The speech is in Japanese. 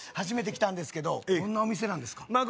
初めて来たんですけどどんなお店なんですか？